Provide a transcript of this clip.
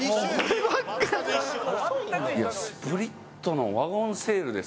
スプリットのワゴンセールです